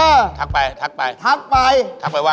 เออทักไปทักไปว่าอย่างไร